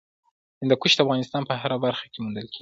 هندوکش د افغانستان په هره برخه کې موندل کېږي.